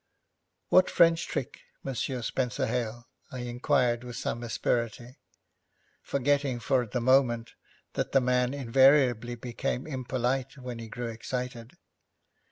'What French trick, Monsieur Spenser Hale?' I inquired with some asperity, forgetting for the moment that the man invariably became impolite when he grew excited.